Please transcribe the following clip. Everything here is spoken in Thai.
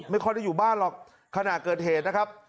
ไม่ค่อยได้อยู่บ้านหรอกขณะเกิดเหตุนะครับ